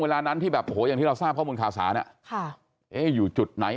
เวลานั้นที่แบบโอ้โหอย่างที่เราทราบข้อมูลข่าวสารอยู่จุดไหน